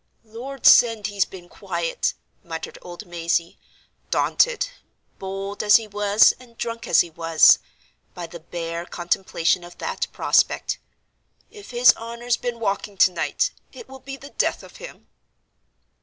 "Lord send he's been quiet!" muttered old Mazey, daunted, bold as he was and drunk as he was, by the bare contemplation of that prospect. "If his honor's been walking to night, it will be the death of him!"